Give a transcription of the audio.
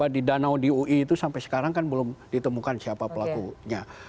di danau di ui itu sampai sekarang kan belum ditemukan siapa pelakunya